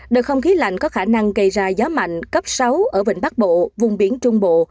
đợt không khí lạnh có khả năng gây ra gió mạnh cấp sáu ở vịnh bắc bộ vùng biển trung bộ